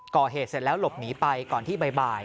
ก่อเหตุเสร็จแล้วหลบหนีไปก่อนที่บ่าย